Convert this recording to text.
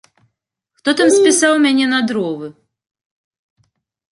Хто там спісаў мяне на дровы?